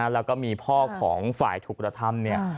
แล้วก็มีพ่อของฝ่ายถูกกระทำ